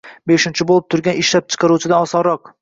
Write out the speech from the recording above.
beshinchi bo‘lib turgan ishlab chiqaruvchidan osonroq…